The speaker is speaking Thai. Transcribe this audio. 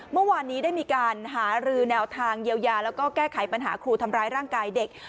เมื่อวานนี้ได้มีการหารือแนวทางเยียวยาแล้วก็แก้ไขปัญหาครูทำร้ายร่างกายเด็ก